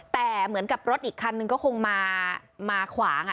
แต่เหมือนกับรถอีกคันนึงก็คงมาขวาง